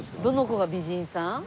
どの子が美人さん？